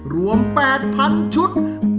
รวมแปดพันชุด